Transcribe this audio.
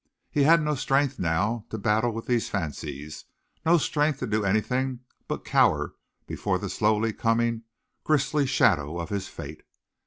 He had no strength now to battle with these fancies, no strength to do anything but cower before the slowly coming, grisly shadow of his fate.